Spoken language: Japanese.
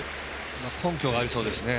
根拠がありそうですね。